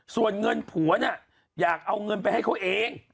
ส่วนเงินผัวเนี่ยอยากเอาเงินไปให้เขาเอง